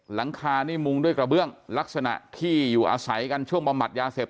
หลังคานี่มุงด้วยกระเบื้องลักษณะที่อยู่อาศัยกันช่วงบำบัดยาเสพ